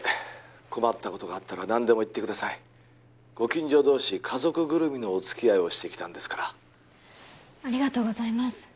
困ったことがあったら何でも言ってくださいご近所同士家族ぐるみのお付き合いをしてきたんですからありがとうございます